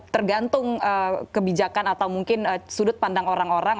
tergantung kebijakan atau mungkin sudut pandang orang orang